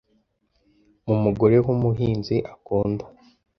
mu mugore w'umuhinzi akunda